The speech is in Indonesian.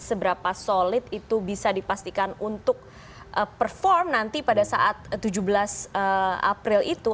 seberapa solid itu bisa dipastikan untuk perform nanti pada saat tujuh belas april itu